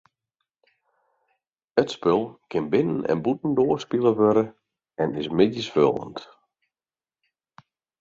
It spul kin binnen- en bûtendoar spile wurde en is middeifoljend.